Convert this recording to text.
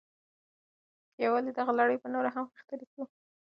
د یووالي دغه لړۍ به نوره هم غښتلې کړو.